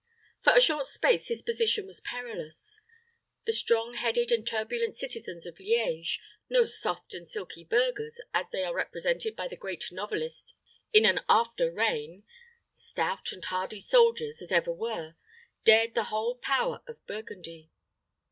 For a short space his position was perilous. The strong headed and turbulent citizens of Liege no soft and silky burghers, as they are represented by the great novelist in an after reign stout and hardy soldiers as ever were, dared the whole power of Burgundy.